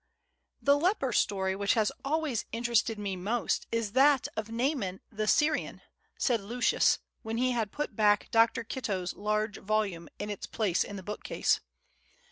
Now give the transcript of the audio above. "THE leper story which has always interested me most is that of Naaman the Syrian," said Lucius, when he had put back Dr. Kitto's large volume in its place in the bookcase.